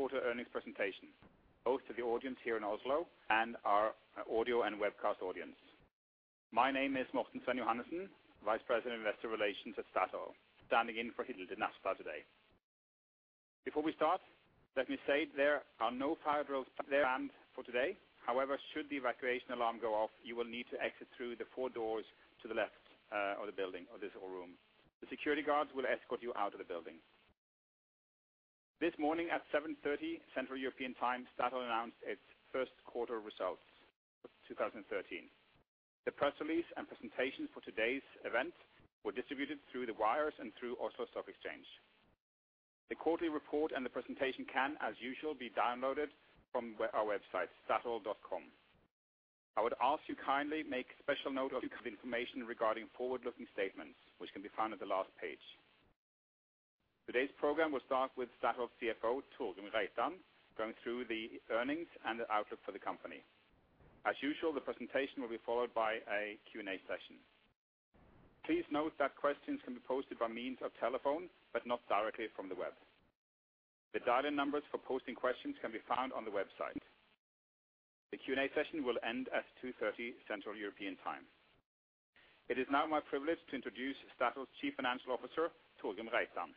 Quarter earnings presentation, both to the audience here in Oslo and our audio and webcast audience. My name is Morten Sven Johannessen, Vice President, Investor Relations at Statoil, standing in for Hilde Nafstad today. Before we start, let me say there are no fire drills planned for today. However, should the evacuation alarm go off, you will need to exit through the four doors to the left, of the building or this whole room. The security guards will escort you out of thebuilding. This morning at 7:30 Central European Time, Statoil announced its first quarter results of 2013. The press release and presentations for today's event were distributed through the wires and through Oslo Stock Exchange. The quarterly report and the presentation can, as usual, be downloaded from our website, statoil.com. I would ask you kindly make special note of the information regarding forward-looking statements, which can be found at the last page. Today's program will start with Statoil CFO Torgrim Reitan going through the earnings and the outlook for the company. As usual, the presentation will be followed by a Q&A session. Please note that questions can be posted by means of telephone, but not directly from the web. The dial-in numbers for posting questions can be found on the website. The Q&A session will end at 2:30 P.M. Central European Time. It is now my privilege to introduce Statoil's Chief Financial Officer Torgrim Reitan.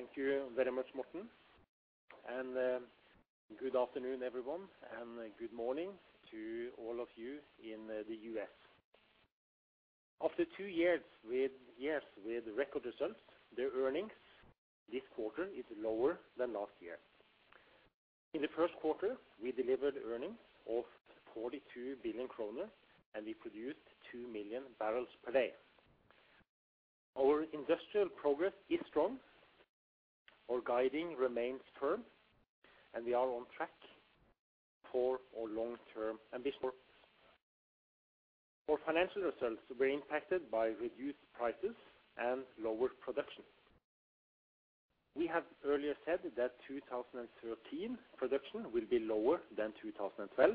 Thank you very much, Morten. Good afternoon, everyone, and good morning to all of you in the US. After two years with record results, the earnings this quarter is lower than last year. In the first quarter, we delivered earnings of 42 billion kroner, and we produced 2 million bbl per day. Our industrial progress is strong, our guiding remains firm, and we are on track for our long-term ambitions. Our financial results were impacted by reduced prices and lower production. We have earlier said that 2013 production will be lower than 2012,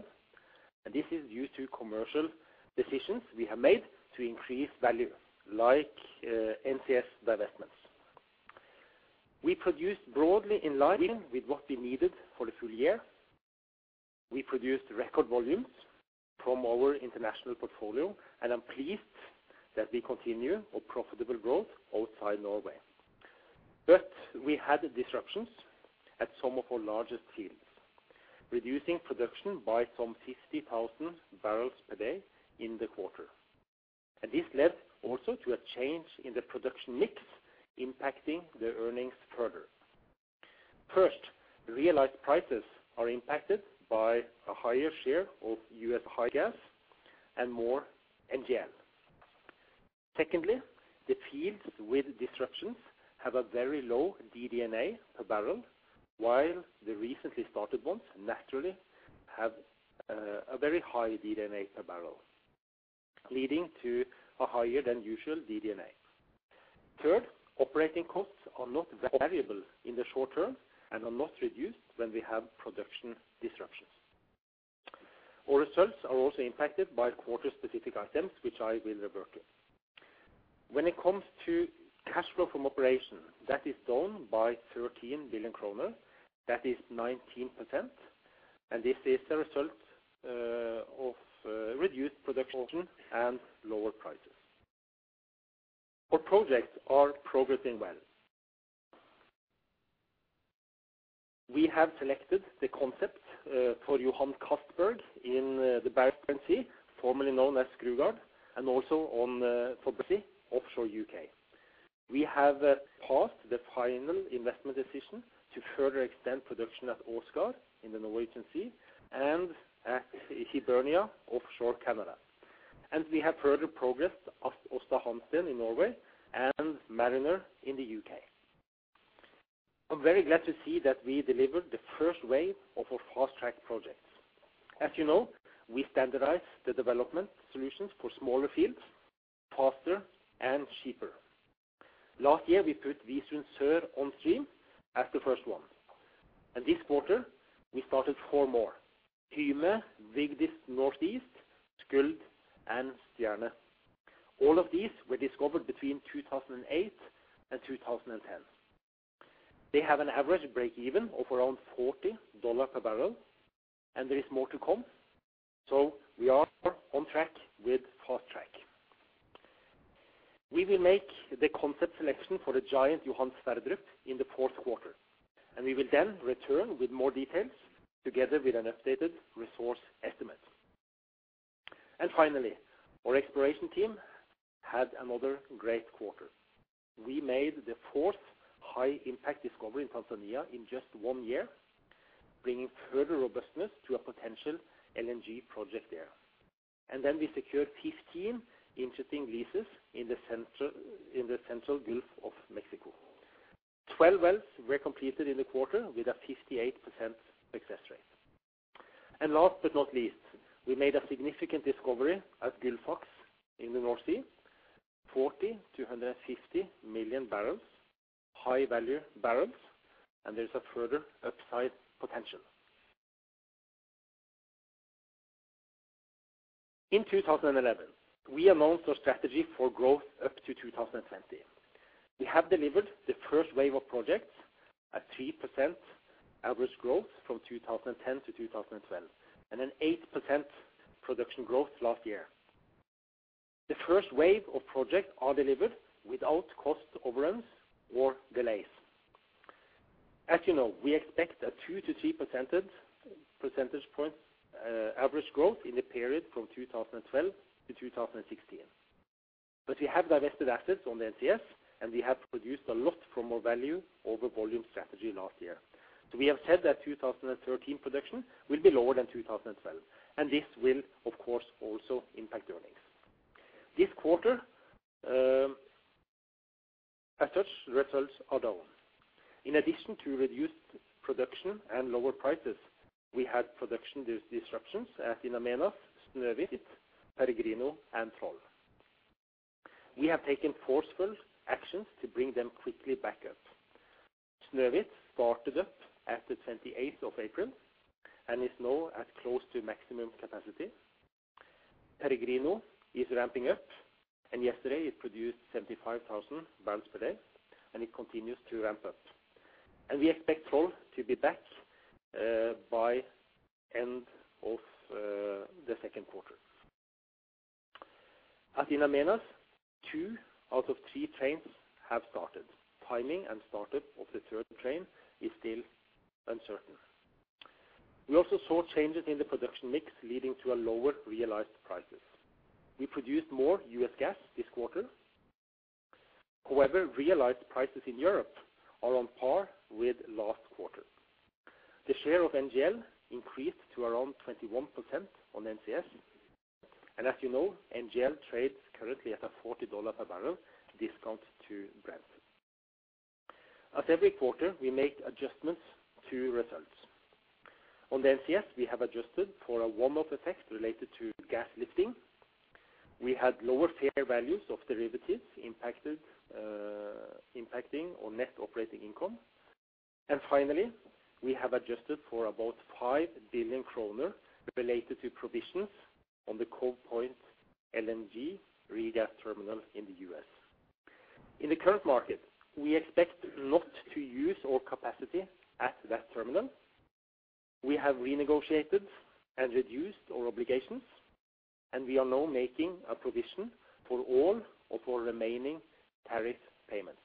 and this is due to commercial decisions we have made to increase value like NCS divestments. We produced broadly in line with what we needed for the full year. We produced record volumes from our international portfolio, and I'm pleased that we continue our profitable growth outside Norway. We had disruptions at some of our largest fields, reducing production by some 50,000 bbl per day in the quarter. This led also to a change in the production mix, impacting the earnings further. First, realized prices are impacted by a higher share of U.S. high gas and more NGL. Secondly, the fields with disruptions have a very low DD&A per barrel, while the recently started ones naturally have a very high DD&A per barrel, leading to a higher than usual DD&A. Third, operating costs are not variable in the short term and are not reduced when we have production disruptions. Our results are also impacted by quarter-specific items, which I will revert to. When it comes to cash flow from operation, that is down by 13 billion kroner. That is 19%, and this is the result of reduced production and lower prices. Our projects are progressing well. We have selected the concept for Johan Castberg in the Barents Sea, formerly known as Skrugard, and also on the Bressay offshore U.K. We have passed the final investment decision to further extend production at Åsgard in the Norwegian Sea and at Hibernia offshore Canada. We have further progressed Aasta Hansteen in Norway and Mariner in the U.K. I'm very glad to see that we delivered the first wave of our fast-track projects. As you know, we standardize the development solutions for smaller fields faster and cheaper. Last year, we put Visund Sør on stream as the first one. This quarter, we started more, Hyme, Vigdis North-East, Skuld, and Stjerne. All of these were discovered between 2008 and 2010. They have an average break-even of around $40 per bbl, and there is more to come. We are on track with fast-track. We will make the concept selection for the giant Johan Sverdrup in the fourth quarter, and we will then return with more details together with an updated resource estimate. Finally, our exploration team had another great quarter. We made the fourth high-impact discovery in Tanzania in just one year, bringing further robustness to a potential LNG project there. Then we secured 15 interesting leases in the central, in the Central Gulf of Mexico. 12 wells were completed in the quarter with a 58% success rate. Last but not least, we made a significant discovery at Gullfaks in the North Sea. 40-150 million bbl, high-value barrels, and there's a further upside potential. In 2011, we announced our strategy for growth up to 2020. We have delivered the first wave of projects, a 3% average growth from 2010 to 2012, and an 8% production growth last year. The first wave of projects are delivered without cost overruns or delays. As you know, we expect a 2-3 percentage points average growth in the period from 2012 to 2016. We have divested assets on the NCS, and we have produced a lot from our value over volume strategy last year. We have said that 2013 production will be lower than 2012, and this will, of course, also impact earnings. This quarter, as such, results are down. In addition to reduced production and lower prices, we had production disruptions at In Amenas, Snøhvit, Peregrino, and Troll. We have taken forceful actions to bring them quickly back up. Snøhvit started up at the 28th of April and is now at close to maximum capacity. Peregrino is ramping up, and yesterday it produced 75,000 bbl per day, and it continues to ramp up. We expect Troll to be back by end of the second quarter. At In Amenas, two out of three trains have started. Timing and startup of the third train is still uncertain. We also saw changes in the production mix leading to a lower realized prices. We produced more U.S. gas this quarter. However, realized prices in Europe are on par with last quarter. The share of NGL increased to around 21% on NCS, and as you know, NGL trades currently at a $40 per bbl discount to Brent. As every quarter, we make adjustments to results. On the NCS, we have adjusted for a warm-up effect related to gas lifting. We had lower fair values of derivatives impacted, impacting our net operating income. Finally, we have adjusted for about 5 billion kroner related to provisions on the Cove Point LNG regas terminal in the U.S. In the current market, we expect not to use our capacity at that terminal. We have renegotiated and reduced our obligations, and we are now making a provision for all of our remaining tariff payments.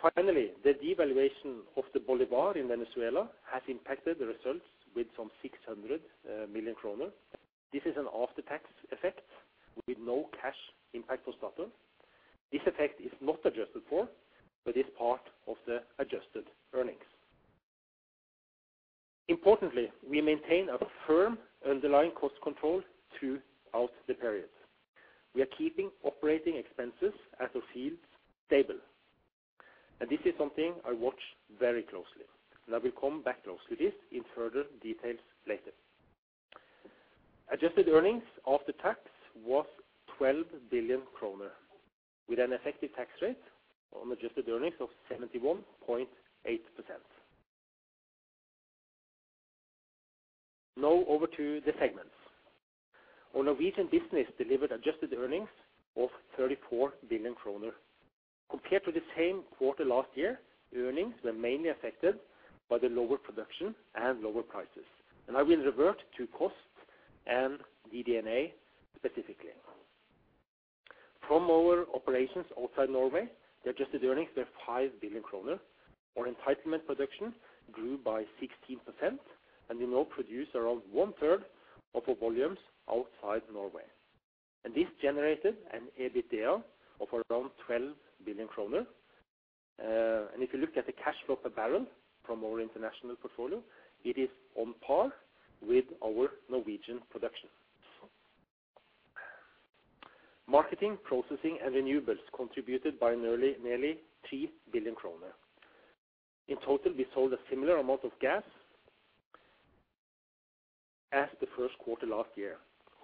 Finally, the devaluation of the bolívar in Venezuela has impacted the results with 600 million kroner. This is an after-tax effect with no cash impact for Statoil. This effect is not adjusted for but is part of the adjusted earnings. Importantly, we maintain a firm underlying cost control throughout the period. We are keeping operating expenses at the fields stable. This is something I watch very closely, and I will come back to this in further details later. Adjusted earnings after tax was 12 billion kroner with an effective tax rate on adjusted earnings of 71.8%. Now over to the segments. Our Norwegian business delivered adjusted earnings of 34 billion kroner. Compared to the same quarter last year, earnings were mainly affected by the lower production and lower prices. I will revert to costs and DD&A specifically. From our operations outside Norway, the adjusted earnings were 5 billion kroner. Our entitlement production grew by 16%, and we now produce around one-third of our volumes outside Norway. This generated an EBITDA of around 12 billion kroner. If you look at the cash flow per barrel from our international portfolio, it is on par with our Norwegian production. Marketing, processing, and renewables contributed by nearly 3 billion kroner. In total, we sold a similar amount of gas as the first quarter last year.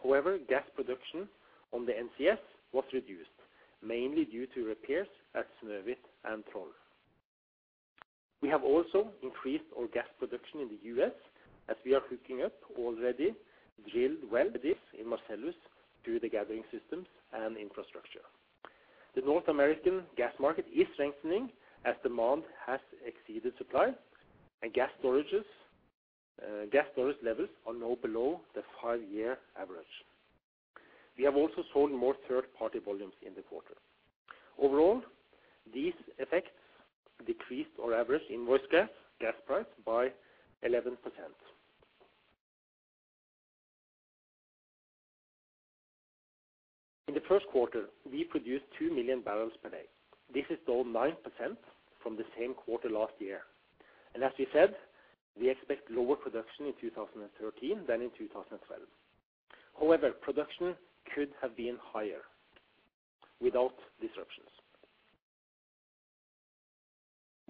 However, gas production on the NCS was reduced, mainly due to repairs at Snøhvit and Troll. We have also increased our gas production in the U.S. as we are hooking up already drilled wells in Marcellus through the gathering systems and infrastructure. The North American gas market is strengthening as demand has exceeded supply and gas storages. Gas storage levels are now below the five-year average. We have also sold more third-party volumes in the quarter. Overall, these effects decreased our average invoice gas price by 11%. In the first quarter, we produced 2 million bbl per day. This is down 9% from the same quarter last year. As we said, we expect lower production in 2013 than in 2012. However, production could have been higher without disruptions.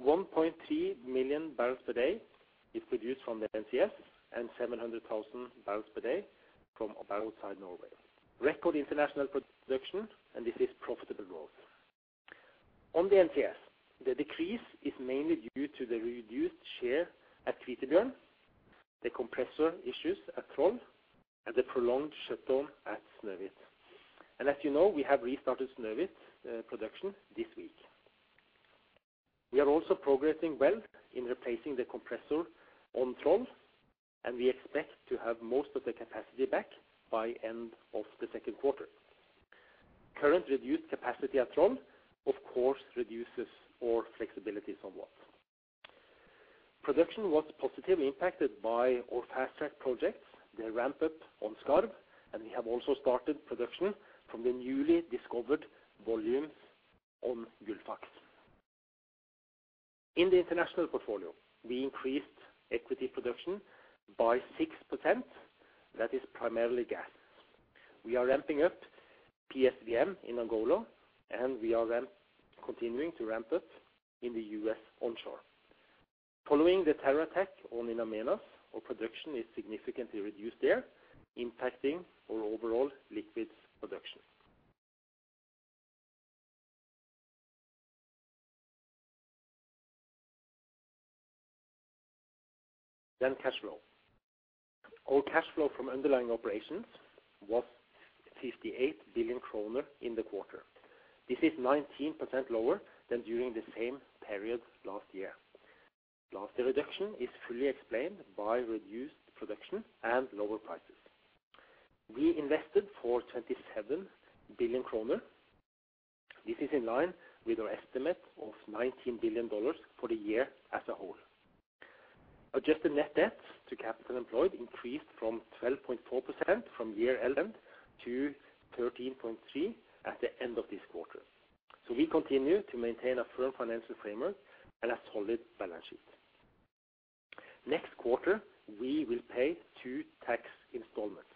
1.3 million bbl per day is produced from the NCS and 700,000 bbl per day from outside Norway. Record international production, and this is profitable growth. On the NCS, the decrease is mainly due to the reduced share at Kvitebjørn, the compressor issues at Troll and the prolonged shutdown at Snøhvit. As you know, we have restarted Snøhvit production this week. We are also progressing well in replacing the compressor on Troll, and we expect to have most of the capacity back by end of the second quarter. Current reduced capacity at Troll of course reduces our flexibility somewhat. Production was positively impacted by our fast-track projects, the ramp-up on Skarv, and we have also started production from the newly discovered volumes on Gullfaks. In the international portfolio, we increased equity production by 6%, that is primarily gas. We are ramping up PSVM in Angola, and we are continuing to ramp up in the U.S. onshore. Following the terror attack on In Amenas, our production is significantly reduced there, impacting our overall liquids production. Cash flow. Our cash flow from underlying operations was 58 billion kroner in the quarter. This is 19% lower than during the same period last year. Last year reduction is fully explained by reduced production and lower prices. We invested 27 billion kroner. This is in line with our estimate of $19 billion for the year as a whole. Adjusted net debt to capital employed increased from 12.4% in 2011 to 13.3% at the end of this quarter. We continue to maintain a firm financial framework and a solid balance sheet. Next quarter, we will pay two tax installments.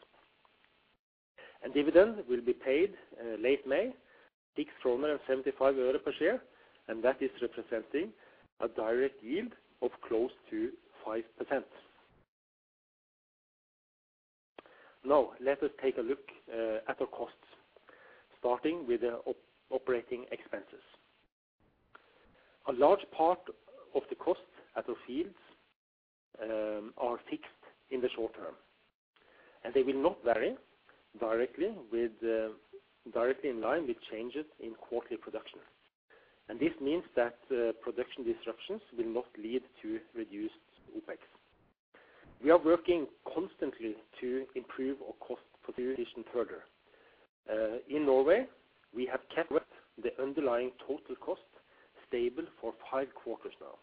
Dividend will be paid late May, NOK 6.75 per share, and that is representing a direct yield of close to 5%. Now let us take a look at our costs, starting with the operating expenses. A large part of the cost at our fields are fixed in the short term, and they will not vary directly in line with changes in quarterly production. This means that production disruptions will not lead to reduced OpEx. We are working constantly to improve our cost position further. In Norway, we have kept the underlying total cost stable for five quarters now,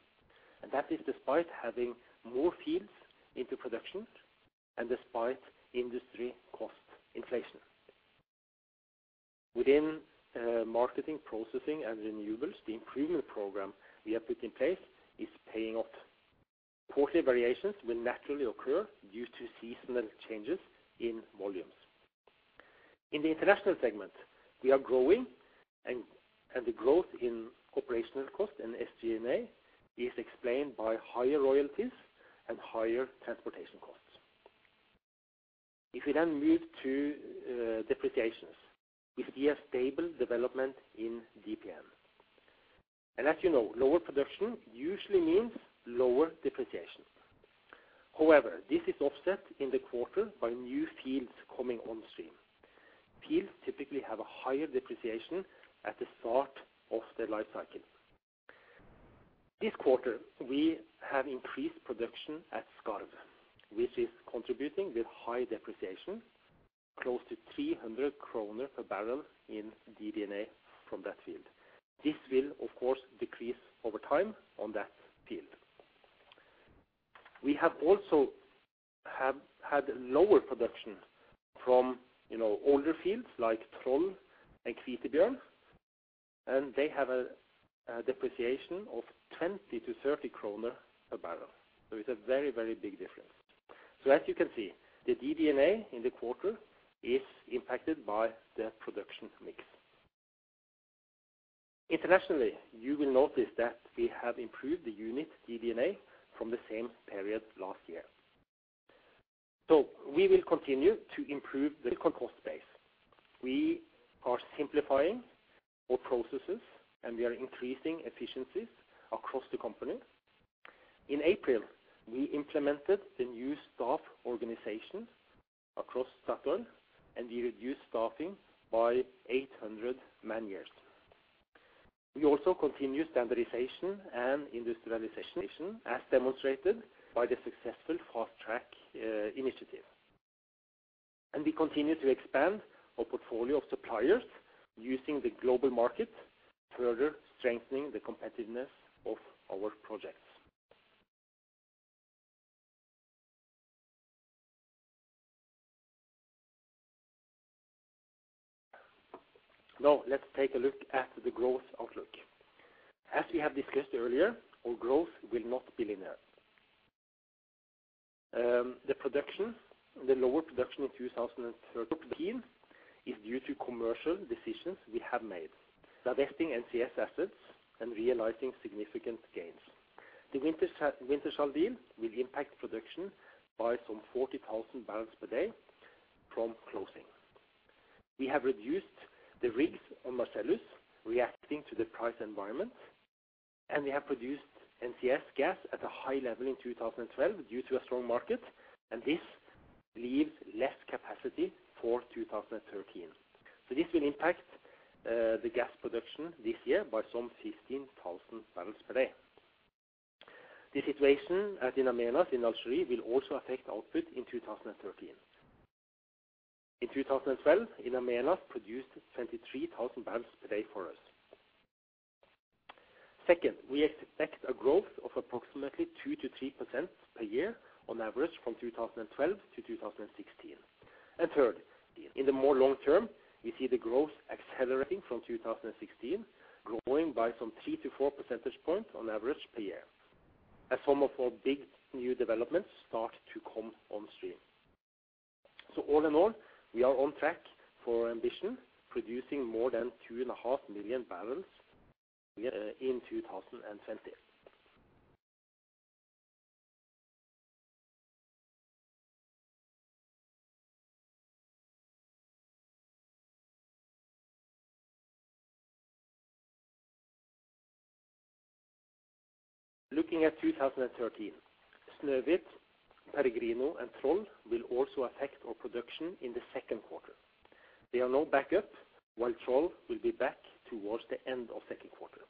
and that is despite having more fields into production and despite industry cost inflation. Within marketing, processing and renewables, the improvement program we have put in place is paying off. Quarterly variations will naturally occur due to seasonal changes in volumes. In the international segment, we are growing, and the growth in operational costs and SG&A is explained by higher royalties and higher transportation costs. If we then move to depreciations, we see a stable development in DPN. As you know, lower production usually means lower depreciation. However, this is offset in the quarter by new fields coming on stream. Fields typically have a higher depreciation at the start of their life cycle. This quarter, we have increased production at Skarv, which is contributing with high depreciation, close to 300 kroner per bbl in DD&A from that field. This will of course decrease over time on that field. We have also had lower production from, you know, older fields like Troll and Kvitebjørn, and they have a depreciation of 20-30 kroner per bbl. It's a very big difference. As you can see, the DD&A in the quarter is impacted by the production mix. Internationally, you will notice that we have improved the unit DD&A from the same period last year. We will continue to improve the cost base. We are simplifying our processes, and we are increasing efficiencies across the company. In April, we implemented the new staff organization across Statoil, and we reduced staffing by 800 man-years. We also continue standardization and industrialization as demonstrated by the successful fast-track initiative. We continue to expand our portfolio of suppliers using the global market, further strengthening the competitiveness of our projects. Now let's take a look at the growth outlook. As we have discussed earlier, our growth will not be linear. The lower production in 2013 is due to commercial decisions we have made, divesting NCS assets and realizing significant gains. The Wintershall deal will impact production by some 40,000 bbl per day from closing. We have reduced the rigs on Marcellus reacting to the price environment, and we have produced NCS gas at a high level in 2012 due to a strong market, and this leaves less capacity for 2013. This will impact the gas production this year by some 15,000 bbl per day. The situation at In Amenas in Algeria will also affect output in 2013. In 2012, In Amenas produced 23,000 bbl per day for us. Second, we expect a growth of approximately 2%-3% per year on average from 2012 to 2016. Third, in the longer term, we see the growth accelerating from 2016, growing by some 3-4 percentage points on average per year as some of our big new developments start to come on stream. All in all, we are on track for our ambition producing more than 2.5 million bbl in 2020. Looking at 2013, Snøhvit, Peregrino, and Troll will also affect our production in the second quarter. They are now back up, while Troll will be back towards the end of second quarter.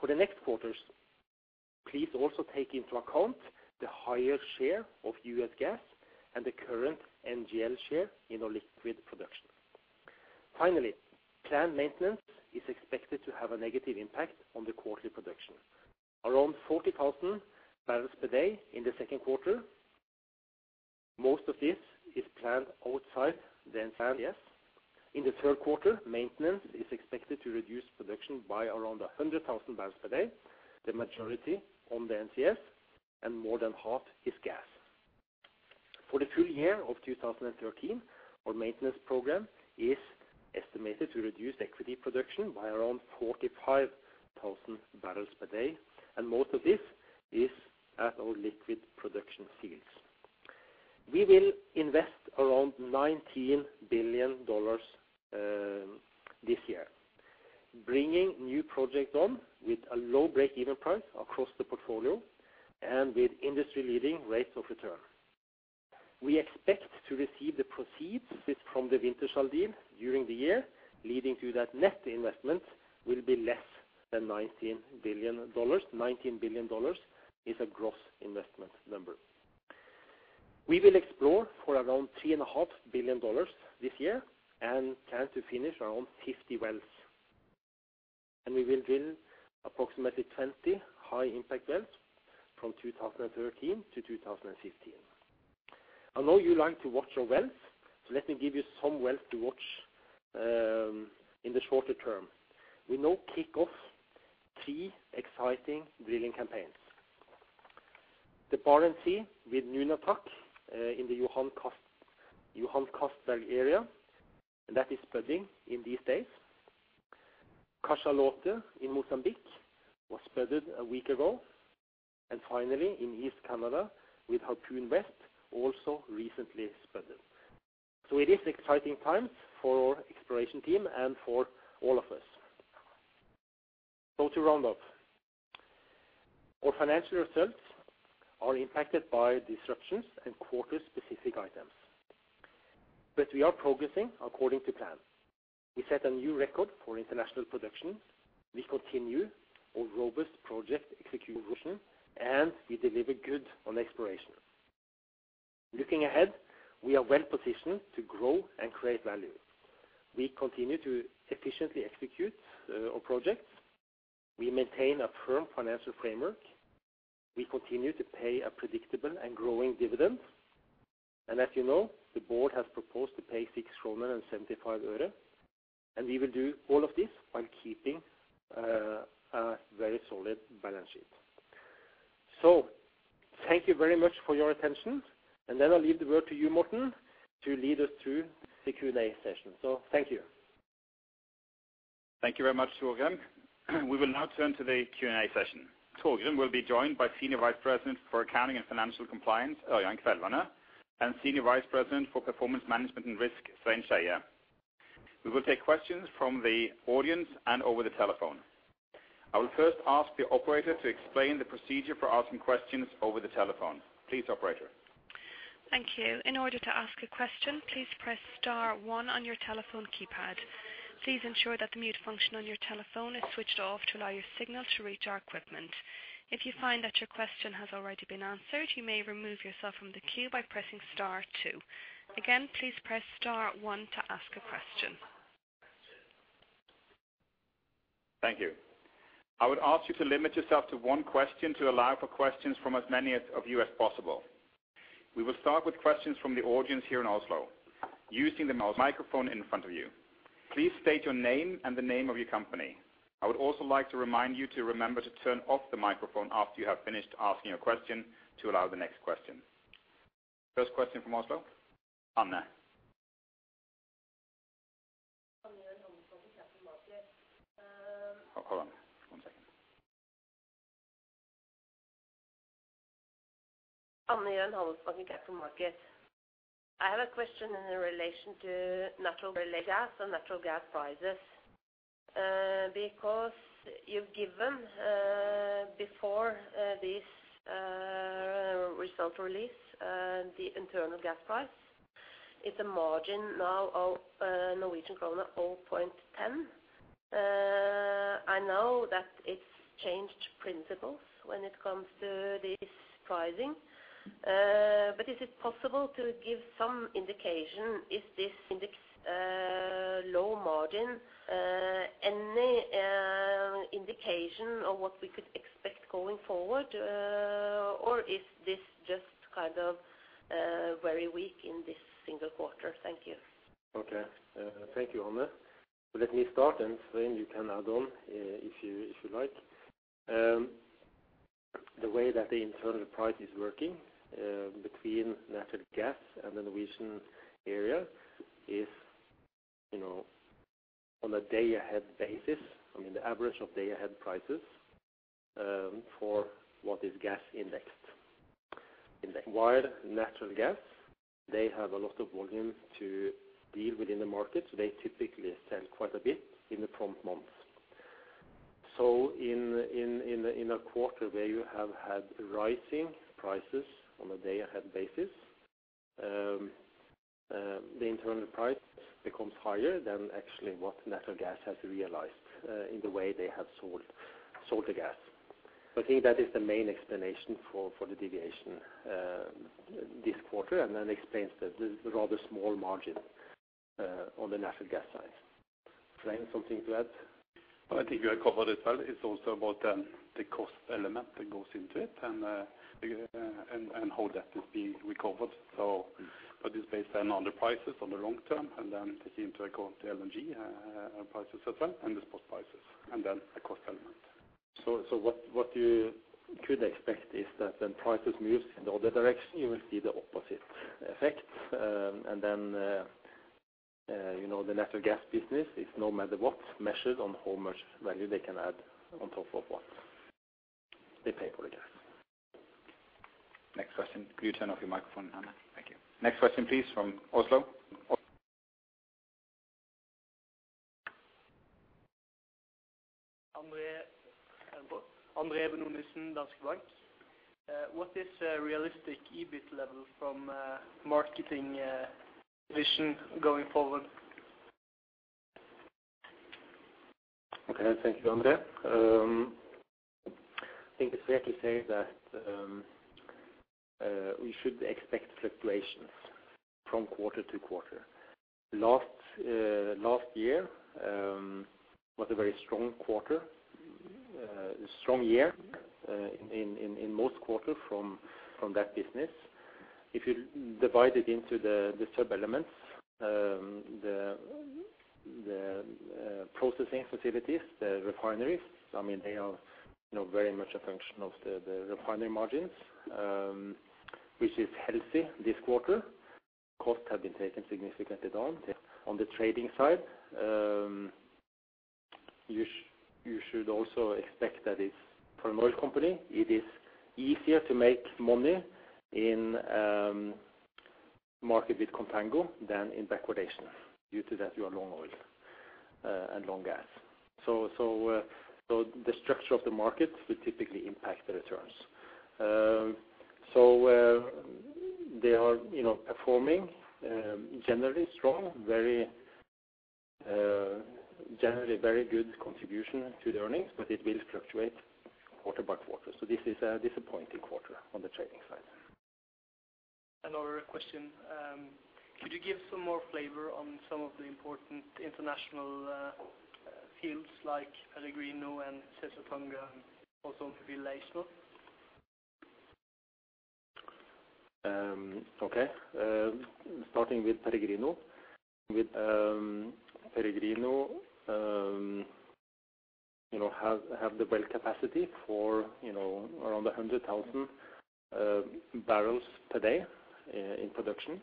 For the next quarters, please also take into account the higher share of U.S. gas and the current NGL share in our liquid production. Finally, planned maintenance is expected to have a negative impact on the quarterly production. Around 40,000 bbl per day in the second quarter, most of this is planned outside the NCS. In the third quarter, maintenance is expected to reduce production by around 100,000 bbl per day, the majority on the NCS and more than half is gas. For the full year of 2013, our maintenance program is estimated to reduce equity production by around 45,000 bbl per day, and most of this is at our liquid production fields. We will invest around $19 billion this year, bringing new projects on with a low break-even price across the portfolio and with industry-leading rates of return. We expect to receive the proceeds from the Wintershall deal during the year, leading to that net investment will be less than $19 billion. $19 billion is a gross investment number. We will explore for around $3.5 billion this year and plan to finish around 50 wells. We will drill approximately 20 high-impact wells from 2013 to 2015. I know you like to watch our wells, so let me give you some wells to watch in the shorter term. We now kick off three exciting drilling campaigns. The Barents Sea with Nunatak in the Johan Castberg area, and that is spudding in these days. Cachalote in Mozambique was spudded a week ago. Finally, in East Canada with Harpoon West also recently spudded. It is exciting times for our exploration team and for all of us. To round up, our financial results are impacted by disruptions and quarter-specific items, but we are progressing according to plan. We set a new record for international production. We continue our robust project execution, and we deliver good on exploration. Looking ahead, we are well-positioned to grow and create value. We continue to efficiently execute our projects. We maintain a firm financial framework. We continue to pay a predictable and growing dividend. As you know, the board has proposed to pay 6.75 kroner, and we will do all of this while keeping a very solid balance sheet. Thank you very much for your attention. I'll leave the word to you, Morten, to lead us through the Q&A session. Thank you. Thank you very much, Torgrim. We will now turn to the Q&A session. Torgrim will be joined by Senior Vice President for Accounting and Financial Compliance, Ørjan Kvelvane, and Senior Vice President for Performance Management and Risk, Svein Skeie. We will take questions from the audience and over the telephone. I will first ask the operator to explain the procedure for asking questions over the telephone. Please, operator. Thank you. In order to ask a question, please press star one on your telephone keypad. Please ensure that the mute function on your telephone is switched off to allow your signal to reach our equipment. If you find that your question has already been answered, you may remove yourself from the queue by pressing star two. Again, please press star one to ask a question. Thank you. I would ask you to limit yourself to one question to allow for questions from as many of you as possible. We will start with questions from the audience here in Oslo using the microphone in front of you. Please state your name and the name of your company. I would also like to remind you to remember to turn off the microphone after you have finished asking your question to allow the next question. First question from Oslo, Anne. Anne Gjøen. Hold on one second. Anne Gjøen, Analyst, Handelsbanken Capital Markets. I have a question in relation to natural gas and natural gas prices. Because you've given before this result release the internal gas price is a margin now of Norwegian krone 0.10. I know that it's changed principles when it comes to this pricing, but is it possible to give some indication? Is this index low margin any indication of what we could expect going forward? Is this just kind of very weak in this single quarter? Thank you. Okay, thank you, Anne. Let me start, and Svein you can add on, if you like. The way that the internal price is working between natural gas and the Norwegian area is, you know, on a day ahead basis, I mean, the average of day ahead prices for what is gas indexed. While natural gas, they have a lot of volume to deal within the market, so they typically sell quite a bit in the prompt months. In a quarter where you have had rising prices on a day ahead basis, the internal price becomes higher than actually what natural gas has realized in the way they have sold the gas. I think that is the main explanation for the deviation this quarter, and then explains the rather small margin on the natural gas side. Svein, something to add? I think you have covered it well. It's also about the cost element that goes into it and how that is being recovered. It's based on other prices in the long term, and then taking into account the LNG prices as well, and the spot prices, and then the cost element. What you could expect is that when prices moves in the other direction, you will see the opposite effect. You know, the natural gas business is no matter what measured on how much value they can add on top of what they pay for the gas. Next question. Will you turn off your microphone, Anne? Thank you. Next question, please, from Oslo. André Benonisen, Danske Bank. What is a realistic EBIT level from marketing division going forward? Okay. Thank you, André. I think it's fair to say that we should expect fluctuations from quarter to quarter. Last year was a very strong quarter, strong year, in most quarters from that business. If you divide it into the processing facilities, the refineries, I mean, they are, you know, very much a function of the refinery margins, which is healthy this quarter. Costs have been taken significantly down. On the trading side, you should also expect that it's for an oil company, it is easier to make money in market with contango than in backwardation due to that you are long oil and long gas. The structure of the market will typically impact the returns. They are, you know, performing generally strong, very good contribution to the earnings, but it will fluctuate quarter by quarter. This is a disappointing quarter on the trading side. Another question. Could you give some more flavor on some of the important international fields like Peregrino and Caesar Tonga, also on Weizhou? Okay. Starting with Peregrino. With Peregrino, you know, we have the well capacity for, you know, around 100,000 bbl per day in production.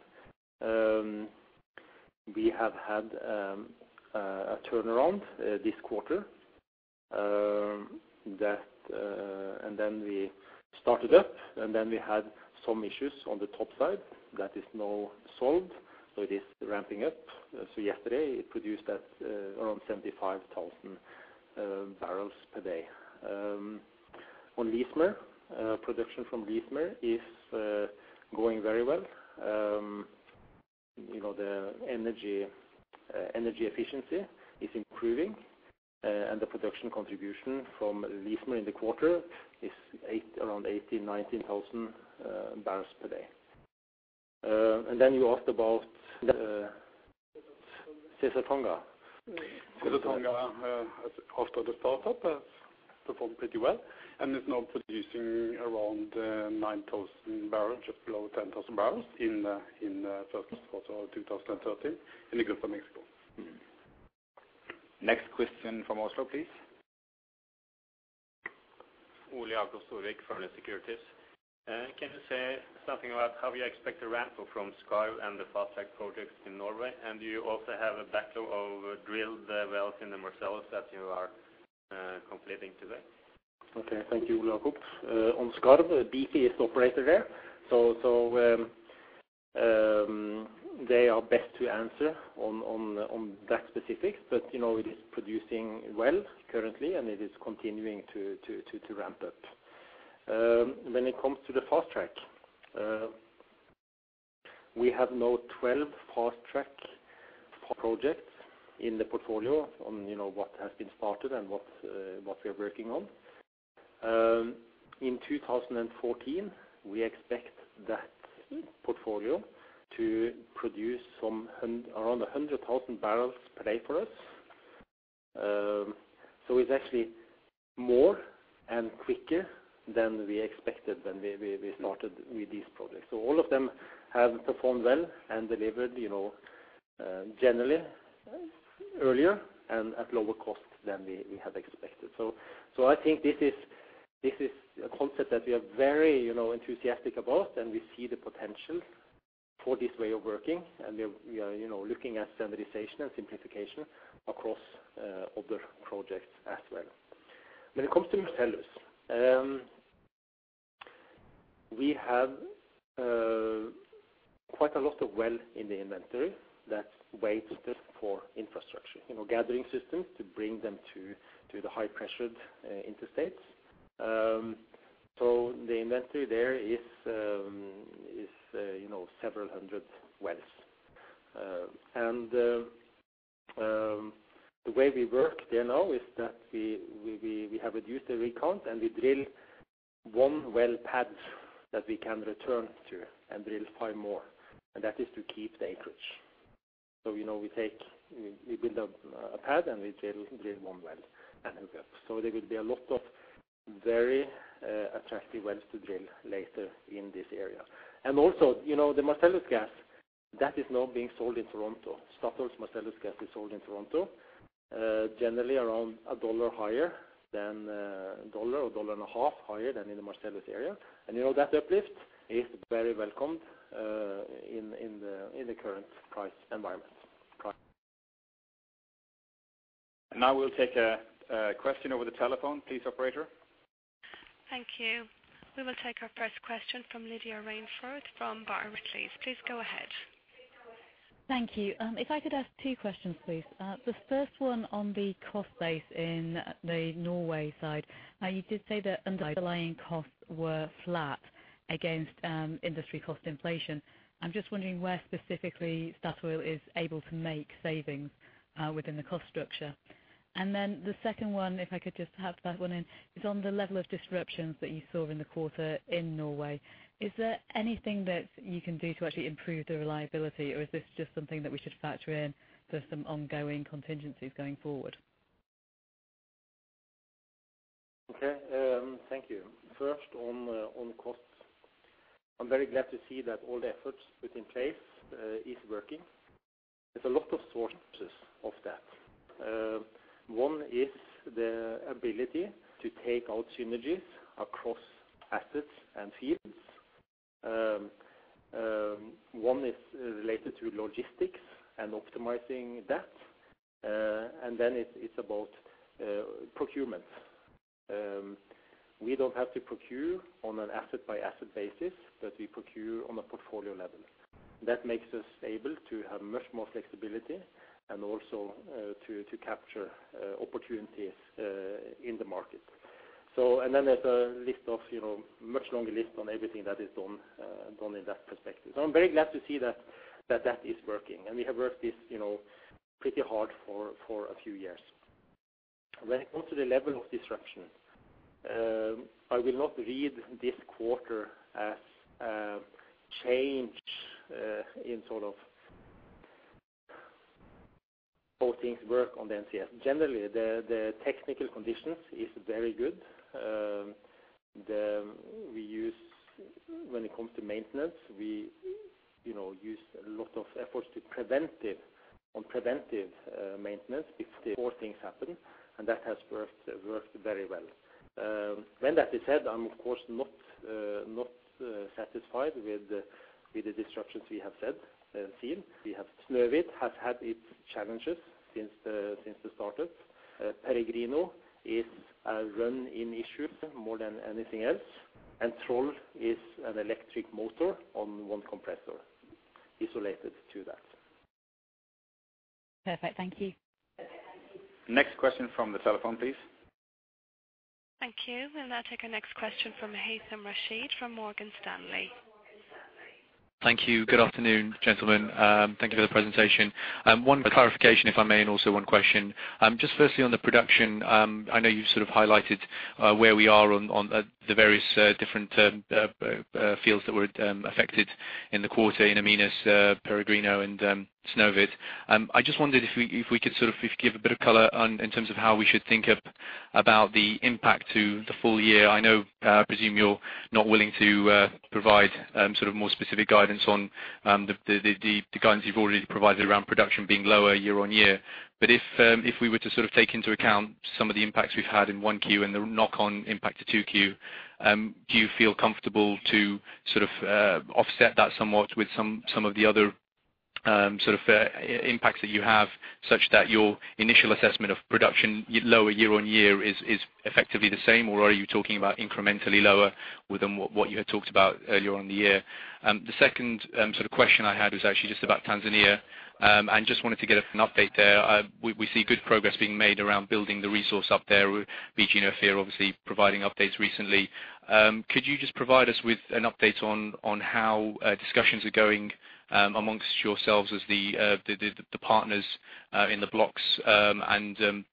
We have had a turnaround this quarter. Then we started up, and then we had some issues on the top side that is now solved, so it is ramping up. Yesterday it produced at around 75,000 bbl per day. On Leismer, production from Leismer is going very well. You know, the energy efficiency is improving, and the production contribution from Leismer in the quarter is around 80,000-90,000 bbl per day. You asked about Caesar Tonga. After the startup has performed pretty well and is now producing around 9,000 bbl, just below 10,000 bbl in first quarter of 2013 in the Gulf of Mexico. Next question from Oslo, please. Securities. Can you say something about how you expect the ramp up from Skarv and the fast-track projects in Norway? Do you also have a backlog of drilled wells in the Marcellus that you are completing today? Okay, thank you. On Skarv, BP is the operator there. They are best to answer on that specific. You know, it is producing well currently, and it is continuing to ramp up. When it comes to the fast-track, we have now 12 fast-track projects in the portfolio, you know, what has been started and what we are working on. In 2014, we expect that portfolio to produce around 100,000 bbl per day for us. It's actually more and quicker than we expected when we started with these projects. All of them have performed well and delivered, you know, generally earlier and at lower costs than we had expected. I think this is a concept that we are very, you know, enthusiastic about, and we see the potential for this way of working. We are, you know, looking at standardization and simplification across other projects as well. When it comes to Marcellus, we have quite a lot of wells in the inventory that's waiting for infrastructure, you know, gathering systems to bring them to the high-pressure interstate. The inventory there is, you know, several hundred wells. The way we work there now is that we have reduced the rig count, and we drill one well pad that we can return to and drill five more, and that is to keep the acreage. You know, we build a pad, and we drill one well, and then we go. There will be a lot of very attractive wells to drill later in this area. Also, you know, the Marcellus gas that is now being sold in Toronto. Statoil's Marcellus gas is sold in Toronto, generally around $1 higher than $1 or $1.50 higher than in the Marcellus area. You know, that uplift is very welcomed in the current price environment. Now we'll take a question over the telephone. Please, operator. Thank you. We will take our first question from Lydia Rainforth from Barclays. Please go ahead. Thank you. If I could ask two questions, please. The first one on the cost base in the Norway side. Now, you did say that underlying costs were flat against industry cost inflation. I'm just wondering where specifically Statoil is able to make savings within the cost structure. The second one, if I could just have that one in, is on the level of disruptions that you saw in the quarter in Norway. Is there anything that you can do to actually improve the reliability, or is this just something that we should factor in for some ongoing contingencies going forward? Thank you. First on costs. I'm very glad to see that all the efforts put in place is working. There's a lot of sources of that. One is the ability to take out synergies across assets and fields. One is related to logistics and optimizing that. Then it's about procurement. We don't have to procure on an asset-by-asset basis, but we procure on a portfolio level. That makes us able to have much more flexibility and also to capture opportunities in the market. Then there's a list of, you know, much longer list on everything that is done in that perspective. I'm very glad to see that is working. We have worked this, you know, pretty hard for a few years. When it comes to the level of disruption, I will not read this quarter as a change in sort of how things work on the NCS. Generally, the technical conditions is very good. When it comes to maintenance, you know, we use a lot of efforts on preventive maintenance if power things happen, and that has worked very well. When that is said, I'm of course not satisfied with the disruptions we have seen. Snøhvit has had its challenges since the startup. Peregrino is a run-in issue more than anything else. Troll is an electric motor on one compressor isolated to that. Perfect. Thank you. Okay, thank you. Next question from the telephone, please. Thank you. We'll now take our next question from Haythem Rashed from Morgan Stanley. Thank you. Good afternoon, gentlemen. Thank you for the presentation. One clarification, if I may, and also one question. Just firstly on the production, I know you've sort of highlighted where we are on the various different fields that were affected in the quarter in In Amenas, Peregrino and Snøhvit. I just wondered if we could sort of give a bit of color on, in terms of how we should think of about the impact to the full year. I know, I presume you're not willing to provide sort of more specific guidance on the guidance you've already provided around production being lower year-on-year. If we were to sort of take into account some of the impacts we've had in 1Q and the knock on impact to 2Q, do you feel comfortable to sort of offset that somewhat with some of the other sort of impacts that you have, such that your initial assessment of production lower year-over-year is effectively the same, or are you talking about incrementally lower within what you had talked about earlier on the year? The second sort of question I had is actually just about Tanzania. Just wanted to get an update there. We see good progress being made around building the resource up there with BG and Ophir obviously providing updates recently. Could you just provide us with an update on how discussions are going amongst yourselves as the partners in the blocks, and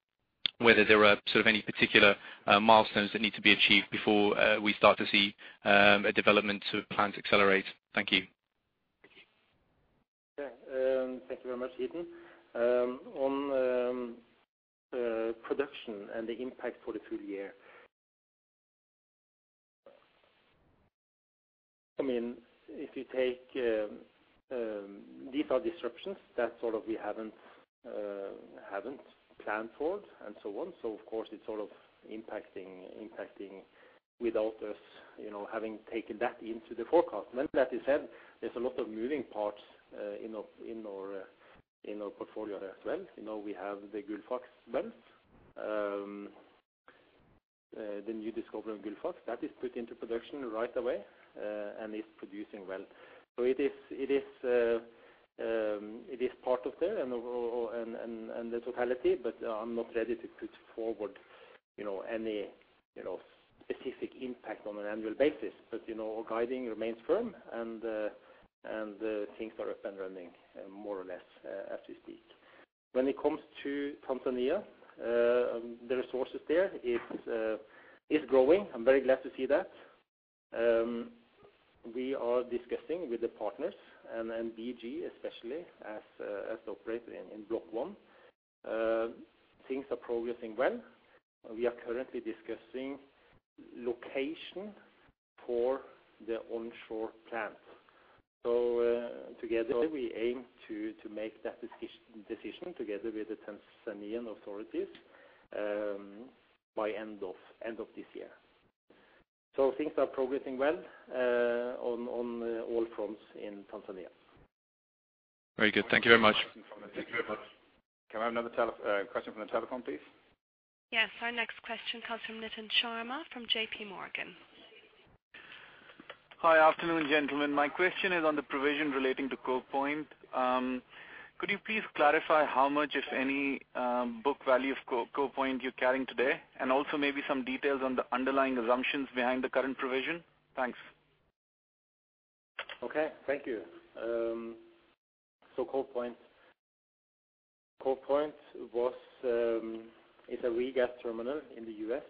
whether there are sort of any particular milestones that need to be achieved before we start to see a development to plans accelerate? Thank you. Okay. Thank you very much, Haythem. On production and the impact for the full year. I mean, if you take, these are disruptions that we sort of haven't planned for and so on. Of course it's sort of impacting without us, you know, having taken that into the forecast. That said, there's a lot of moving parts in our portfolio as well. You know, we have the Gullfaks well, the new discovery on Gullfaks, that is put into production right away, and it's producing well. It is part of that and the totality, but I'm not ready to put forward, you know, any specific impact on an annual basis. You know, our guiding remains firm and things are up and running more or less as we speak. When it comes to Tanzania, the resources there is growing. I'm very glad to see that. We are discussing with the partners and BG especially as operator in Block 1. Things are progressing well. We are currently discussing location for the onshore plant. Together we aim to make that decision together with the Tanzanian authorities by end of this year. Things are progressing well on all fronts in Tanzania. Very good. Thank you very much. Thank you very much. Can I have another question from the telephone, please? Yes. Our next question comes from Nitin Sharma from JPMorgan. Hi. Afternoon, gentlemen. My question is on the provision relating to Cove Point. Could you please clarify how much, if any, book value of Cove Point you're carrying today? And also maybe some details on the underlying assumptions behind the current provision. Thanks. Okay. Thank you. Cove Point is a regas terminal in the U.S.,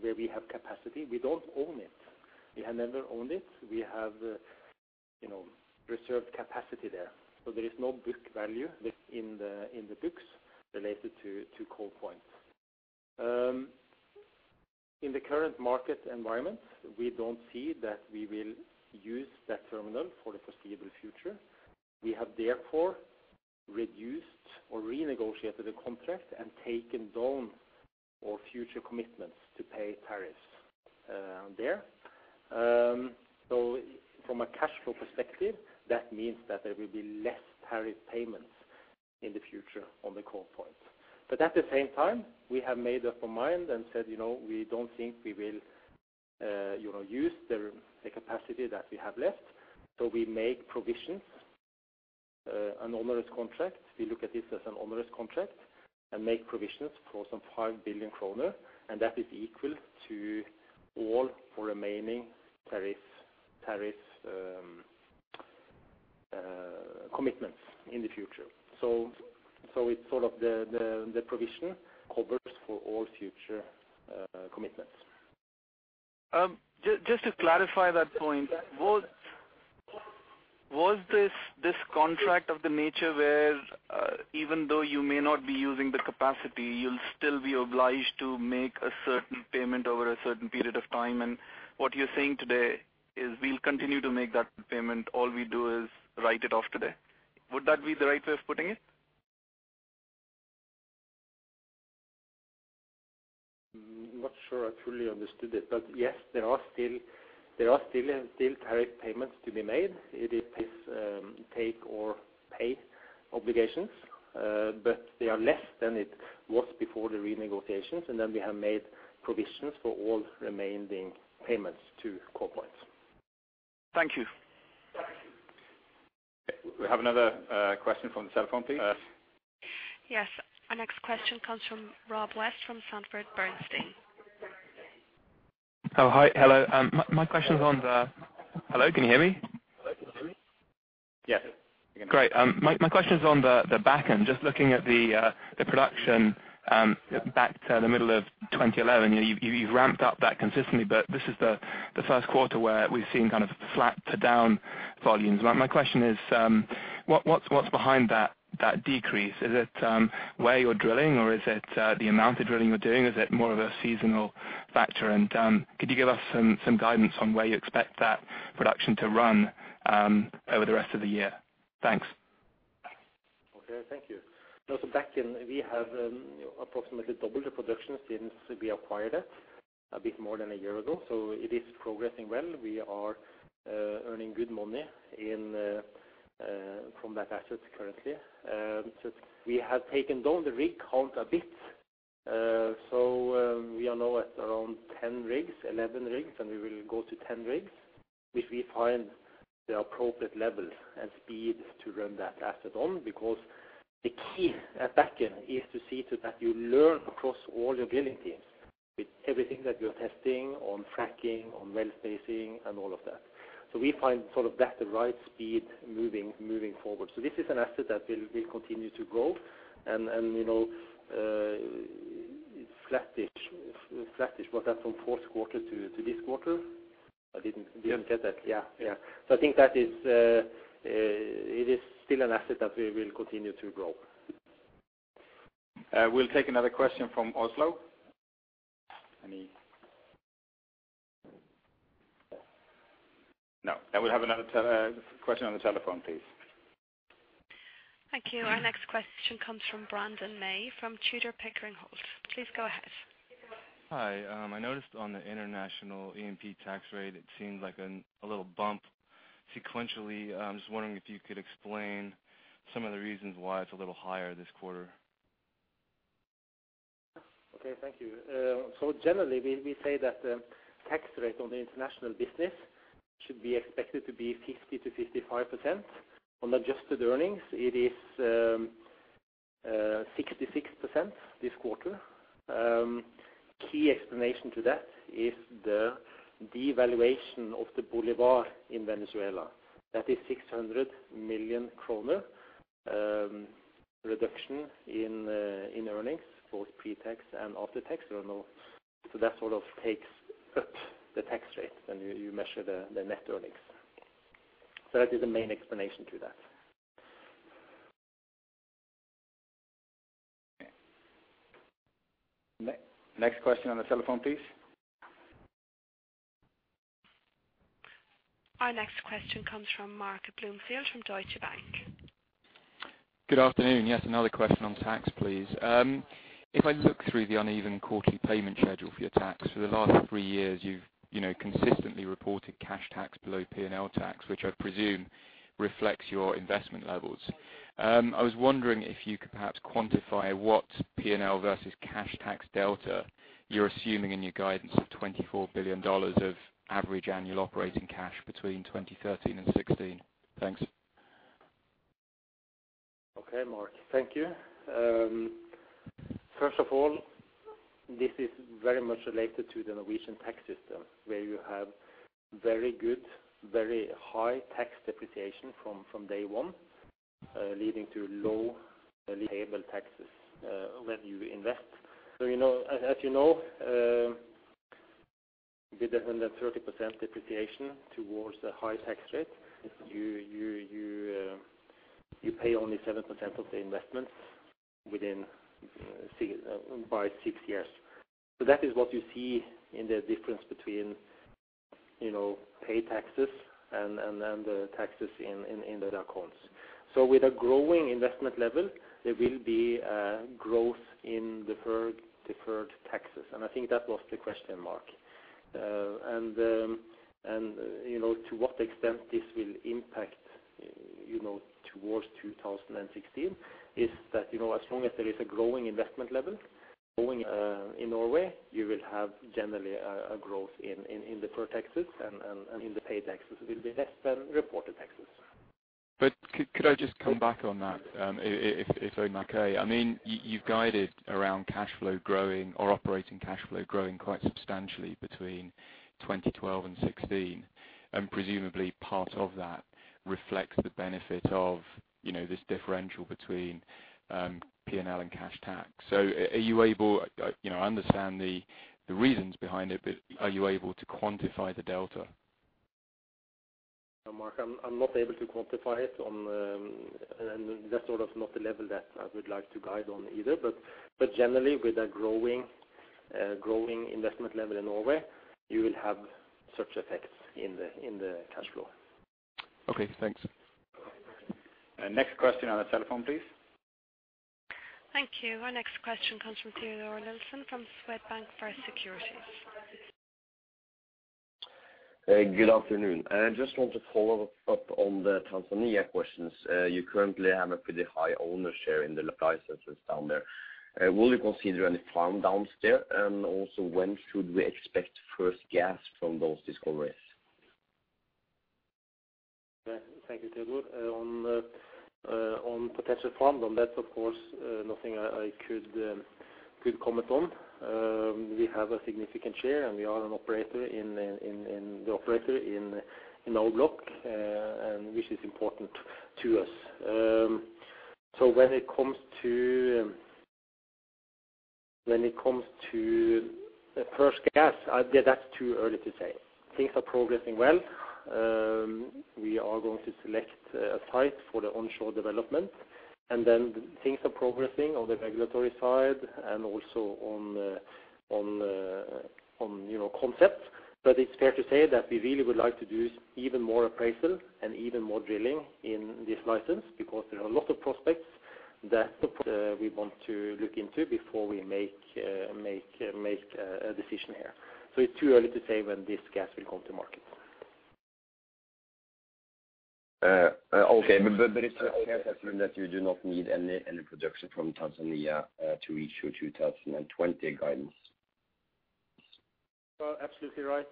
where we have capacity. We don't own it. We have never owned it. We have, you know, reserved capacity there. There is no book value within the books related to Cove Point. In the current market environment, we don't see that we will use that terminal for the foreseeable future. We have therefore reduced or renegotiated the contract and taken down all future commitments to pay tariffs there. From a cash flow perspective, that means that there will be less tariff payments in the future on the Cove Point. At the same time, we have made up our mind and said, you know, we don't think we will, you know, use the capacity that we have left, so we make provisions, an onerous contract. We look at this as an onerous contract and make provisions for some 5 billion kroner, and that is equal to all remaining tariff commitments in the future. it's sort of the provision covers for all future commitments. Just to clarify that point, was this contract of the nature where even though you may not be using the capacity, you'll still be obliged to make a certain payment over a certain period of time? What you're saying today is we'll continue to make that payment, all we do is write it off today. Would that be the right way of putting it? I'm not sure I truly understood it, but yes, there are still tariff payments to be made. It is take-or-pay obligations, but they are less than it was before the renegotiations, and then we have made provisions for all remaining payments to Cove Point. Thank you. We have another question from the telephone, please. Yes. Our next question comes from Rob West from Sanford Bernstein. Oh, hi. Hello. Hello, can you hear me? Yes. Great. My question is on the Bakken, just looking at the production back to the middle of 2011. You've ramped up that consistently, but this is the first quarter where we've seen kind of flat to down volumes. My question is, what's behind that decrease? Is it where you're drilling or is it the amount of drilling you're doing? Is it more of a seasonal factor? Could you give us some guidance on where you expect that production to run over the rest of the year? Thanks. Okay, thank you. Bakken, we have approximately double the production since we acquired it a bit more than a year ago, so it is progressing well. We are earning good money from that asset currently. We have taken down the rig count a bit. We are now at around 10 rigs, 11 rigs, and we will go to 10 rigs, which we find the appropriate level and speed to run that asset on. Because the key at Bakken is to see to that you learn across all your drilling teams with everything that you're testing on fracking, on well spacing, and all of that. We find sort of that the right speed moving forward. This is an asset that will continue to grow and, you know, flattish. Was that from fourth quarter to this quarter? I didn't get that. Yeah. Yeah. I think that is, it is still an asset that we will continue to grow. We'll take another question from Oslo. No. We'll have another question on the telephone, please. Thank you. Our next question comes from Brandon Mei from Tudor, Pickering, Holt & Co. Please go ahead. Hi. I noticed on the international E&P tax rate it seems like a little bump sequentially. I'm just wondering if you could explain some of the reasons why it's a little higher this quarter. Okay, thank you. Generally we say that the tax rate on the international business should be expected to be 50%-55%. On adjusted earnings, it is 66% this quarter. Key explanation to that is the devaluation of the bolívar in Venezuela. That is 600 million kroner reduction in earnings, both pre-tax and after-tax. That sort of takes up the tax rate when you measure the net earnings. That is the main explanation to that. Next question on the telephone, please. Our next question comes from Mark Bloomfield from Deutsche Bank. Good afternoon. Yes, another question on tax, please. If I look through the uneven quarterly payment schedule for your tax, for the last three years you've, you know, consistently reported cash tax below P&L tax, which I presume reflects your investment levels. I was wondering if you could perhaps quantify what P&L versus cash tax delta you're assuming in your guidance of $24 billion of average annual operating cash between 2013 and 2016. Thanks. Okay, Mark. Thank you. First of all, this is very much related to the Norwegian tax system, where you have very good, very high tax depreciation from day one, leading to low payable taxes when you invest. You know, as you know, with the 130% depreciation towards the high tax rate, you pay only 7% of the investment by six years. That is what you see in the difference between paid taxes and the taxes in the accounts. With a growing investment level, there will be growth in deferred taxes, and I think that was the question, Mark. You know, to what extent this will impact, you know, towards 2016 is that, you know, as long as there is a growing investment level, growing in Norway, you will have generally a growth in deferred taxes and the paid taxes will be less than reported taxes. Could I just come back on that, if okay? I mean, you've guided around cash flow growing or operating cash flow growing quite substantially between 2012 and 2016, and presumably part of that reflects the benefit of, you know, this differential between P&L and cash tax. Are you able, you know, I understand the reasons behind it, but are you able to quantify the delta? Mark, I'm not able to quantify it on the. That's sort of not the level that I would like to guide on either. Generally, with a growing investment level in Norway, you will have such effects in the cash flow. Okay, thanks. Next question on the telephone, please. Thank you. Our next question comes from Teodor Nilsen from Swedbank First Securities. Hey, good afternoon. I just want to follow up on the Tanzania questions. You currently have a pretty high owner share in the licenses down there. Will you consider any farm-downs there? When should we expect first gas from those discoveries? Thank you, Teodor. On potential farm-out, on that of course, nothing I could comment on. We have a significant share, and we are an operator in our block, which is important to us. When it comes to the first gas, that's too early to say. Things are progressing well. We are going to select a site for the onshore development, and then things are progressing on the regulatory side and also on you know concept. It's fair to say that we really would like to do even more appraisal and even more drilling in this license because there are a lot of prospects that we want to look into before we make a decision here. It's too early to say when this gas will come to market. Okay. It's that you do not need any production from Tanzania to reach your 2020 guidance. You are absolutely right.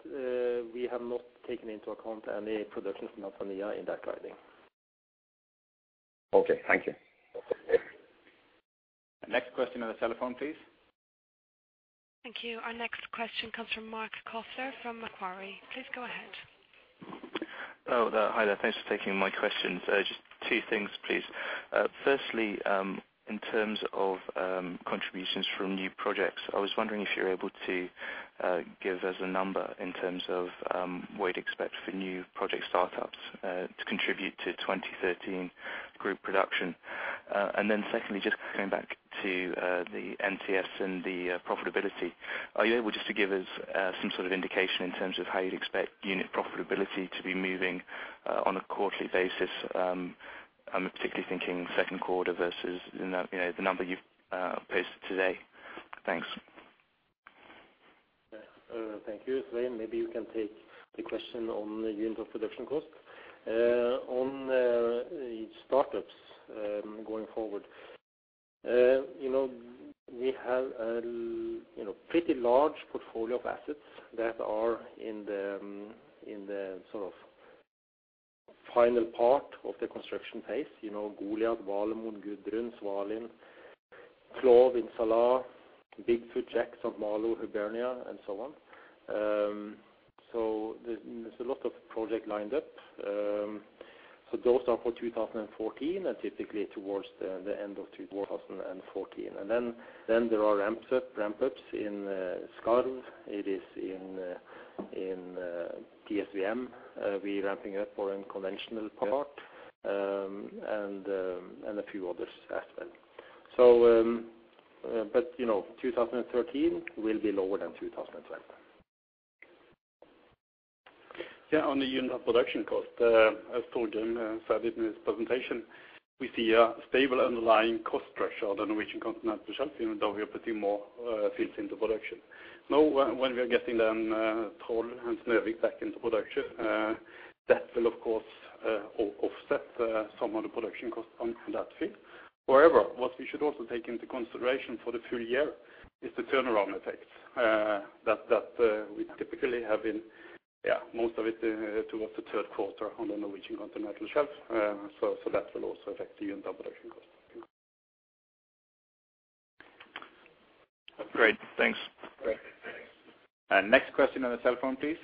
We have not taken into account any production from Tanzania in that guiding. Okay, thank you. Next question on the telephone, please. Thank you. Our next question comes from Marc Kofler from Macquarie. Please go ahead. Hi there. Thanks for taking my questions. Just two things, please. Firstly, in terms of contributions from new projects, I was wondering if you're able to give us a number in terms of what you'd expect for new project startups to contribute to 2013 group production. Then secondly, just coming back to the NCS and the profitability. Are you able to give us some sort of indication in terms of how you'd expect unit profitability to be moving on a quarterly basis? I'm particularly thinking second quarter versus, you know, the number you've posted today? Thanks. Yeah. Thank you. Svein, maybe you can take the question on the unit production cost. On the startups, going forward, you know, we have, you know, pretty large portfolio of assets that are in the sort of final part of the construction phase. You know, Goliat, Valemon, Gudrun, Svalin, Cove, In Salah, Big Foot, Jack, St. Malo, Hibernia, and so on. There's a lot of projects lined up. Those are for 2014 and typically towards the end of 2014. There are ramp-ups in Skarv. It is in PSVM. We're ramping up for a conventional part, and a few others as well. You know, 2013 will be lower than 2012. Yeah, on the unit production cost, as Torgrim said it in his presentation, we see a stable underlying cost pressure on the Norwegian Continental Shelf, even though we are putting more fields into production. Now when we are getting them Troll and Snøhvit back into production, that will of course offset some of the production costs on that field. However, what we should also take into consideration for the full year is the turnaround effects that we typically have in most of it towards the third quarter on the Norwegian Continental Shelf. That will also affect the unit production cost. Great. Thanks. Next question on the cell phone, please.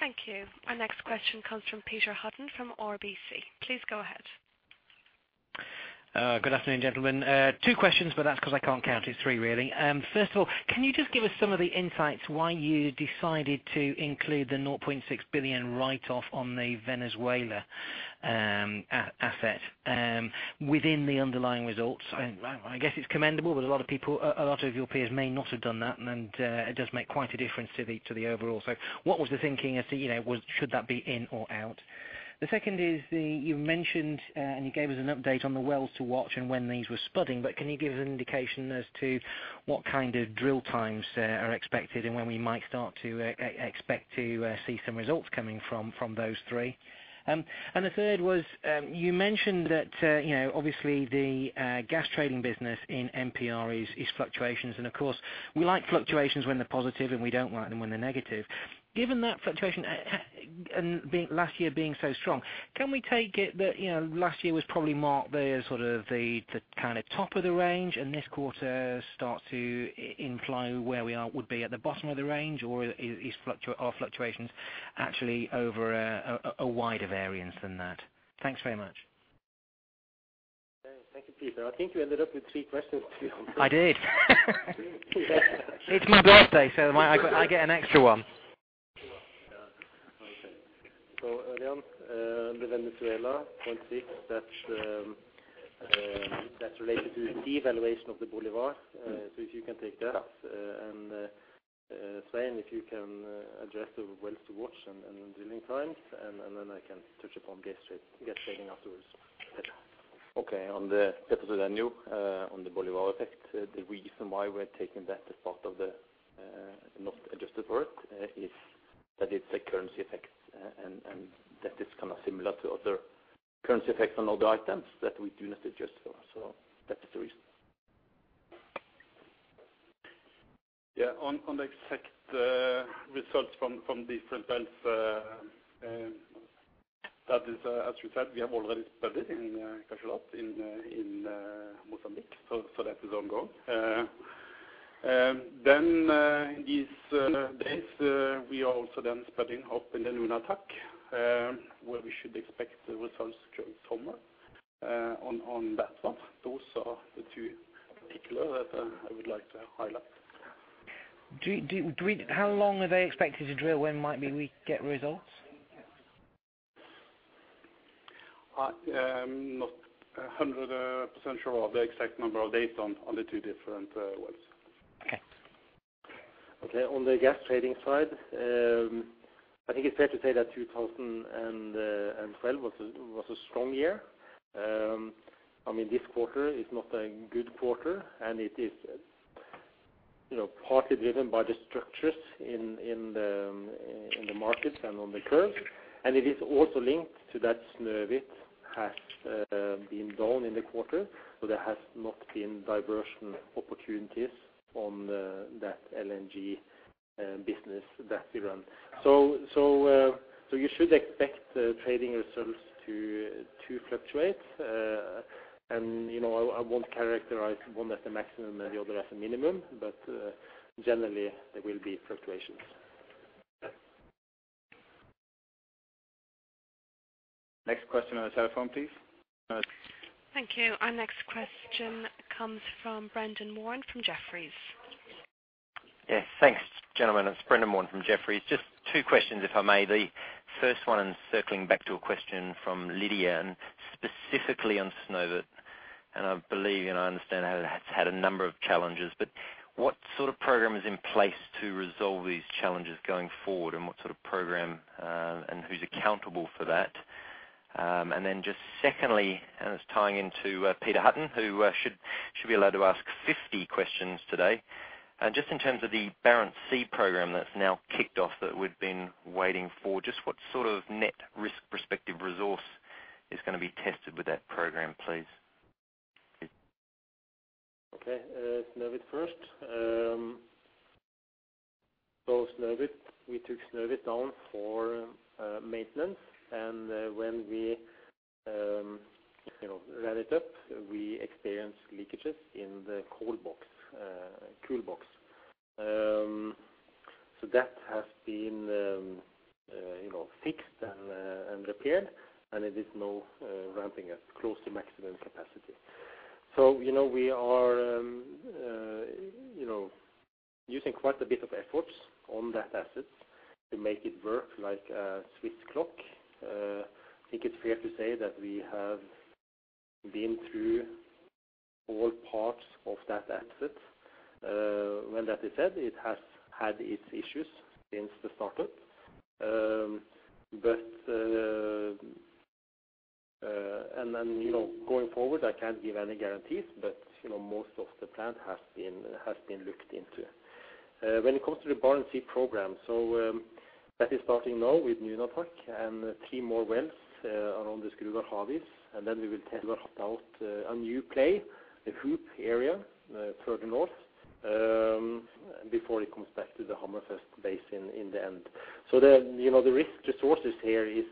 Thank you. Our next question comes from Peter Hutton from RBC. Please go ahead. Good afternoon, gentlemen. Two questions, but that's because I can't count; it's three, really. First of all, can you just give us some of the insights why you decided to include the $0.6 billion write-off on the Venezuela asset within the underlying results? I guess it's commendable, but a lot of people, a lot of your peers may not have done that, and it does make quite a difference to the overall. What was the thinking as to, you know, should that be in or out? The second is the you mentioned, and you gave us an update on the wells to watch and when these were spudding, but can you give us an indication as to what kind of drill times are expected and when we might start to expect to see some results coming from those three? The third was, you mentioned that, you know, obviously the gas trading business in MPR is fluctuations. Of course, we like fluctuations when they're positive, and we don't like them when they're negative. Given that fluctuation, ha-ha, and last year being so strong, can we take it that, you know, last year was probably the sort of the kind of top of the range and this quarter starts to imply where we are would be at the bottom of the range, or are fluctuations actually over a wider variance than that? Thanks very much. Thank you, Peter. I think you ended up with three questions too. I did. It's my birthday, so I might, I get an extra one. Okay. Ørjan, the Venezuela 0.6, that's related to the devaluation of the bolívar. If you can take that. Yeah. Svein, if you can address the wells to watch and drilling times, and then I can touch upon gas trade, gas trading afterwards. Okay. On the Petrodelta, on the bolívar effect, the reason why we're taking that as part of the not adjusted for it's a currency effect, and that is kind of similar to other currency effect on other items that we do not adjust for. That is the reason. Yeah. On the exact results from these front ends, that is, as you said, we have already started in Cachalote in Mozambique, so that is ongoing. These days, we are also then starting up in the Nunatak, where we should expect the results come summer, on that one. Those are the two particular that I would like to highlight. How long are they expected to drill? When might we get results? I'm not 100% sure of the exact number of dates on the two different wells. Okay. Okay. On the gas trading side, I think it's fair to say that 2012 was a strong year. I mean, this quarter is not a good quarter, and it is, you know, partly driven by the structures in the markets and on the curve. It is also linked to that Snøhvit has been down in the quarter, so there has not been diversion opportunities on that LNG business that we run. You should expect the trading results to fluctuate. You know, I won't characterize one as a maximum and the other as a minimum, but generally there will be fluctuations. Next question on the telephone, please. Thank you. Our next question comes from Brendan Warn from Jefferies. Yes. Thanks, gentlemen. It's Brendan Warn from Jefferies. Just two questions, if I may. The first one, circling back to a question from Lydia, and specifically on Snøhvit. I believe and I understand that it has had a number of challenges, but what sort of program is in place to resolve these challenges going forward, and what sort of program, and who's accountable for that? Just secondly, it's tying into Peter Hutton, who should be allowed to ask 50 questions today. Just in terms of the Barents Sea program that's now kicked off that we've been waiting for, just what sort of net risk respective resource is gonna be tested with that program, please? Okay. Snøhvit first. Snøhvit, we took Snøhvit down for maintenance. When we, you know, ran it up, we experienced leakages in the cold box, cool box. That has been, you know, fixed and repaired, and it is now ramping at close to maximum capacity. You know, we are using quite a bit of efforts on that asset to make it work like a Swiss clock. I think it's fair to say that we have been through all parts of that asset. When that is said, it has had its issues since the startup. You know, going forward, I can't give any guarantees, but you know, most of the plant has been looked into. When it comes to the Barents Sea program, that is starting now with Nunatak, and three more wells are on the Skrugard, Havis. Then we will test out a new play, the Hoop area, further north, before it comes back to the Hammerfest basin in the end. The, you know, the risk resources here is.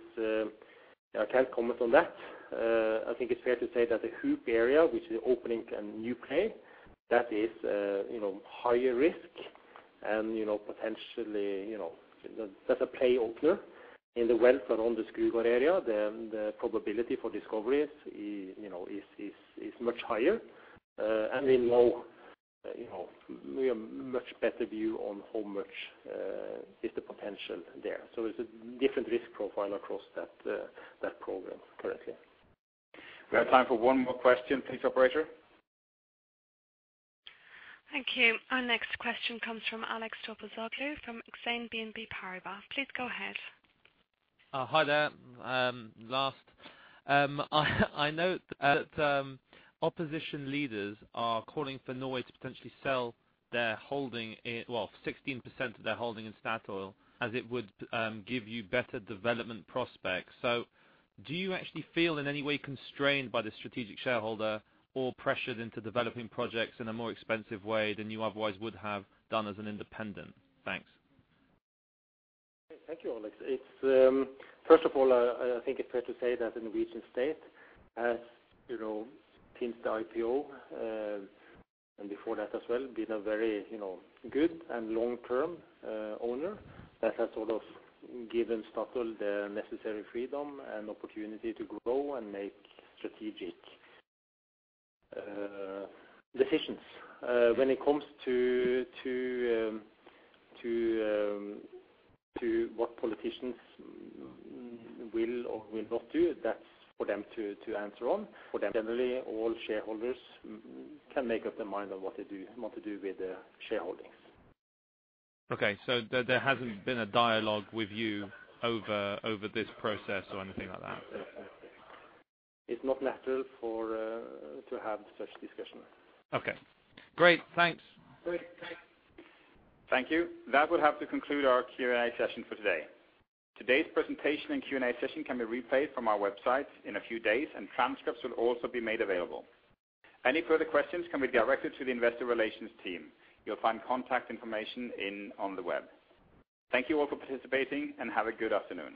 I can't comment on that. I think it's fair to say that the Hoop area, which is opening a new play, that is, you know, higher risk and, you know, potentially, you know, that's a play opener. In the wells that are on the Skrugard area, the probability for discovery is, you know, is much higher. And we know, you know, we have much better view on how much is the potential there. It's a different risk profile across that program currently. We have time for one more question. Please, operator. Thank you. Our next question comes from Alex Topouzoglou from Exane BNP Paribas. Please go ahead. Hi there. I note that opposition leaders are calling for Norway to potentially sell their holding in, well, 16% of their holding in Statoil, as it would give you better development prospects. Do you actually feel in any way constrained by the strategic shareholder or pressured into developing projects in a more expensive way than you otherwise would have done as an independent? Thanks. Thank you, Alex. First of all, I think it's fair to say that the Norwegian State has, you know, since the IPO and before that as well, been a very, you know, good and long-term owner. That has sort of given Statoil the necessary freedom and opportunity to grow and make strategic decisions. When it comes to what politicians will or will not do, that's for them to answer on. Generally, all shareholders can make up their mind on what to do with their shareholdings. Okay. There hasn't been a dialogue with you over this process or anything like that? It's not natural for to have such discussion. Okay. Great. Thanks. Great. Thanks. Thank you. That will have to conclude our Q&A session for today. Today's presentation and Q&A session can be replayed from our website in a few days, and transcripts will also be made available. Any further questions can be directed to the investor relations team. You'll find contact information on the web. Thank you all for participating, and have a good afternoon.